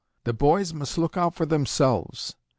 The boys must look out for themselves.